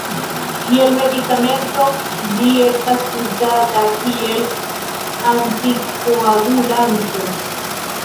Kiel medikamento ĝi estas uzata kiel antikoagulanto.